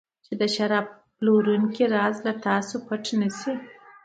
چې د شراب پلورونکي راز له تاسو پټ نه شي.